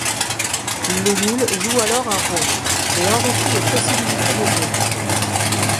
Le nul joue alors un rôle et enrichit les possibilités de jeu.